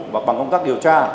và bằng công tác điều tra